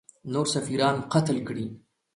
نور سفیران قتل کړي.